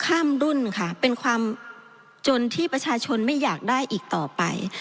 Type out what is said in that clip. ข้ามรุ่นค่ะเป็นความจนที่ประชาชนไม่อยากได้อีกต่อไป